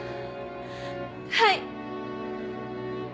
はい！